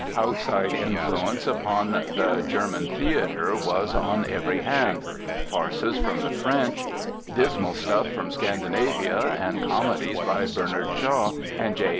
Outside influence upon the German 9 RECOLLECTIONS OF OSCAR WILDE theatre was on every hand. Farces from the French, dismal stuff from Scandi navia, and comedies by Bernard Shaw and J.